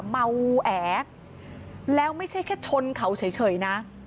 เมาแอแล้วไม่ใช่แค่ชนเขาเฉยนะ